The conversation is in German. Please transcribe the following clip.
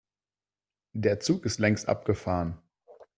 Der Zug ist längst abgefahren.